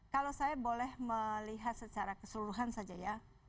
kalau saya boleh melihat secara keseluruhan saja ya